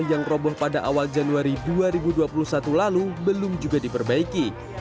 yang roboh pada awal januari dua ribu dua puluh satu lalu belum juga diperbaiki